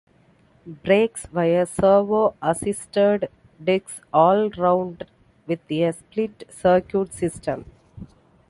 Brakes were servo-assisted discs all-round with a split circuit system.